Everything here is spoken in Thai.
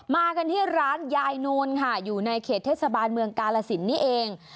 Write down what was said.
มากันที่ร้านยายนูนค่ะอยู่ในเขตเทศบาลเมืองกาลสินนี่เอง